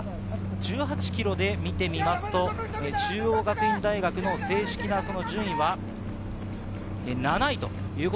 １８ｋｍで見ると、中央学院大学の正式な順位は７位です。